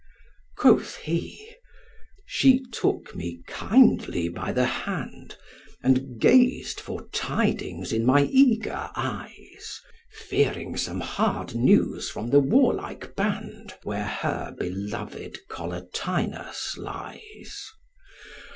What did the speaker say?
Quoth he, 'She took me kindly by the hand, And gazed for tidings in my eager eyes, Fearing some hard news from the warlike band, Where her beloved Collatinus lies.